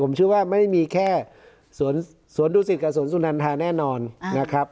ผมเชื่อว่าไม่ได้มีแค่สวนดุสิตกับสวนสุนันทาแน่นอนนะครับ